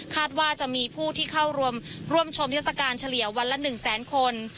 ว่าจะมีผู้ที่เข้าร่วมชมเทศกาลเฉลี่ยวันละ๑แสนคน